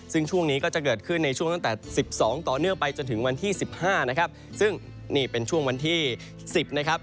ซึ่งช่วงนี้ก็จะเกิดขึ้นในช่วงตั้งแต่สิบสองต่อเนื่องไปจนถึงวันที่สิบห้านะครับซึ่งนี่เป็นช่วงวันที่สิบนะครับ